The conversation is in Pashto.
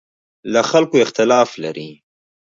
له خلکو اختلاف لري.